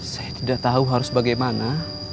saya tidak tahu harus bagaimana